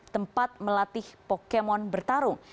tempat melatih pokemon bertarung